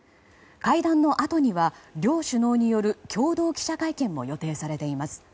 会談のあとには両首脳による共同記者会見も予定されています。